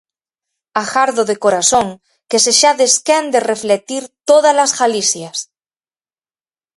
Agardo de corazón que sexades quen de reflectir todas as Galicias.